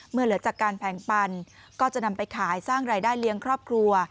เหลือจากการแผงปันก็จะนำไปขายสร้างรายได้เลี้ยงครอบครัว